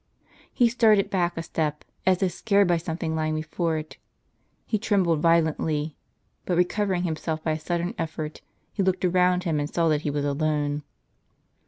He started back a step, as if scared by something lying before him. He trembled violently; but recovering himself by a sudden effort, he looked around him and saw that he was alone.